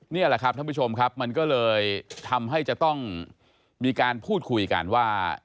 นี่แหละครับท่านผู้ชมครับมันก็เลยทำให้จะต้องมีการพูดคุยกันว่า